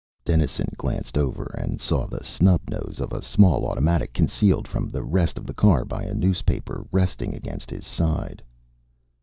Dennison glanced over and saw the snub nose of a small automatic, concealed from the rest of the car by a newspaper, resting against his side.